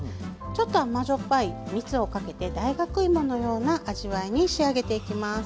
ちょっと甘塩っぱいみつをかけて大学いものような味わいに仕上げていきます。